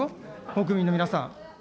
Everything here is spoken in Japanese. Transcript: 国民の皆さん。